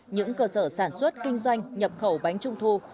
những cơ sở sản xuất kinh doanh nhập khẩu bánh trung thu